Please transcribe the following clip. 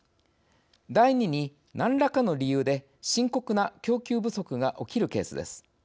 第２に、何らかの理由で深刻な供給不足が起きるケースです。